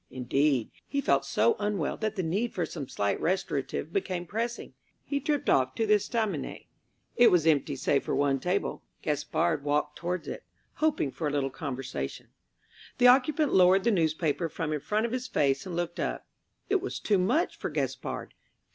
Indeed, he felt so unwell that the need for some slight restorative became pressing. He tripped off to the estaminet. It was empty save for one table. Gaspard walked towards it, hoping for a little conversation. The occupant lowered the newspaper from in front of his face and looked up. It was too much for Gaspard.